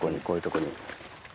こういうとこに。